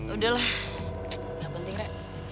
udah lah gak penting rek